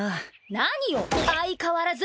何よ相変わらずって！